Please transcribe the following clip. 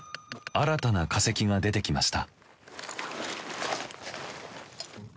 新たな化石が出てきました。